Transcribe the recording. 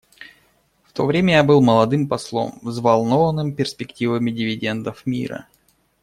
В то время я был молодым послом, взволнованным перспективами дивидендов мира.